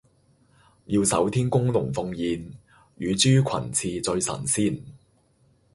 妙手天工龍鳳宴，乳豬裙翅醉神仙